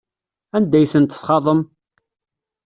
Anda ay tent-txaḍem?